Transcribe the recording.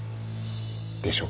でしょ？